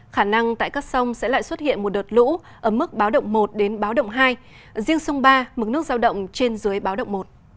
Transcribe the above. khả năng tại các sông sẽ lại xuất hiện một đợt lũ ở mức báo động một đến báo động hai riêng sông ba mức nước giao động trên dưới báo động một